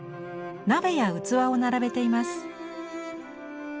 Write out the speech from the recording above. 鍋や器を並べています。